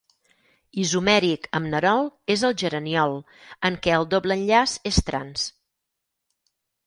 Isomèric amb nerol és el geraniol, en què el doble enllaç és trans.